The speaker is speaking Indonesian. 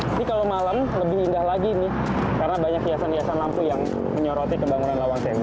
ini kalau malam lebih indah lagi nih karena banyak hiasan hiasan lampu yang menyoroti kebangunan lawang sewu